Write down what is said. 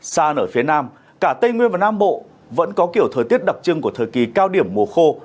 xa nở phía nam cả tây nguyên và nam bộ vẫn có kiểu thời tiết đặc trưng của thời kỳ cao điểm mùa khô